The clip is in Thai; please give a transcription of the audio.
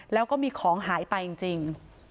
แล้วก็มีของหายไปจริง